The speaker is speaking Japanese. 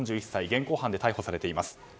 現行犯で逮捕されています。